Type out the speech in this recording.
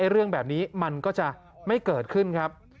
เรื่องแบบนี้มันก็จะไม่เกิดขึ้นครับ